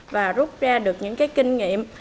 và rút ra được những cái kinh nghiệm